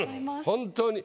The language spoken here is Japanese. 本当に。